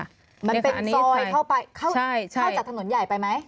มันเป็นซอยเข้าไปเข้าจากถนนใหญ่ไปไหม